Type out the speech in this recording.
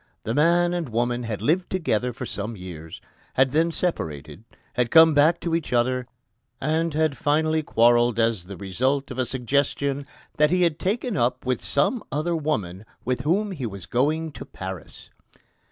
The man and woman had lived together for some years, had then separated, had come back to each other, and had finally quarrelled as the result of a suggestion "that he had taken up with some other woman, with whom he was going to Paris."